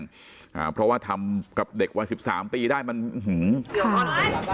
ตะโกนดาทอซาบแช่งเพราะว่าทำกับเด็กวัน๑๓ปีได้มันหืม